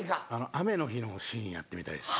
雨の日のシーンやってみたいですね。